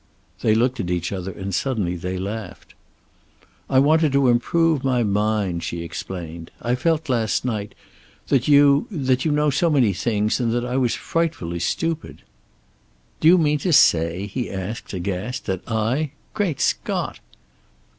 They looked at each other, and suddenly they laughed. "I wanted to improve my mind," she explained. "I felt, last night, that you that you know so many things, and that I was frightfully stupid." "Do you mean to say," he asked, aghast, "that I ! Great Scott!"